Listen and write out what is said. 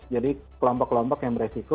jadi kelompok kelompok yang beresiko